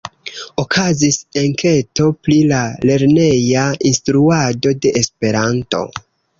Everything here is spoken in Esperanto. Okazis enketo pri la lerneja instruado de Esperanto.